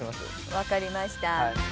分かりました。